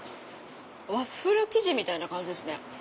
ワッフル生地みたいな感じですね。